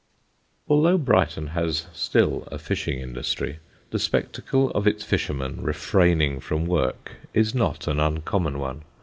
Although Brighton has still a fishing industry, the spectacle of its fishermen refraining from work is not an uncommon one.